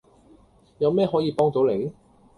有咩可以幫到你?